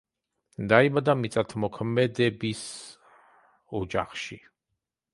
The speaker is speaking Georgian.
დაიბადა მიწათმოქმედების ოჯახში.